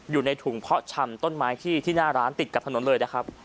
อยู่ในถุงเพาะชำต้นไม้ที่หน้าร้านติดกับถนนเลยนะครับ